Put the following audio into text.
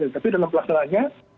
tapi dalam pelaksanaannya